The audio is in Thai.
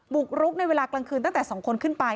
บุกรุกในเวลากลางคืนตั้งแต่๒คนขึ้นไป